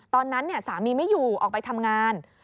ตอนนั้นสามีไม่อยู่ออกไปทำงาน